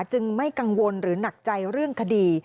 จึงไม่กังวลหรือหนักใจเรื่องคดี